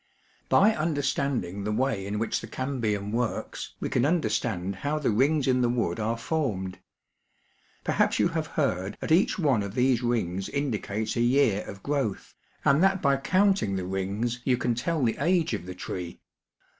By understanding the way in which the cambium works we can understand how the rings in the wood are formed. Perhaps you have heard that each one of these rings indi cates a year of growth, and that by counting the rings you can tell the age of the tree.